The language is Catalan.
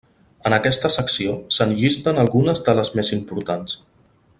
En aquesta secció se'n llisten algunes de les més importants.